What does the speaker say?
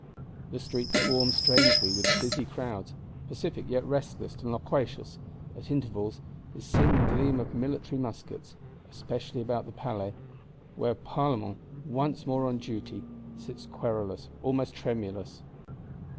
The streets swarm strangely with busy crowds, pacific yet restless and loquacious; at intervals, is seen the gleam of military muskets; especially about the Palais, where Parlement, once more on duty, sits querulous, almost tremulous.